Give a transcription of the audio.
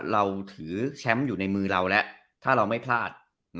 เราถือแชมป์อยู่ในมือเราแล้วถ้าเราไม่พลาด